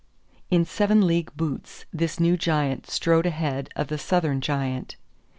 In seven league boots this new giant strode ahead of the Southern giant.